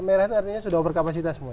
merah itu artinya sudah overcapacity semua